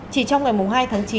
chỉ trong ngày hai tháng chín